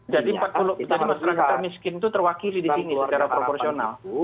jadi empat puluh termiskin itu terwakili di sini secara proporsional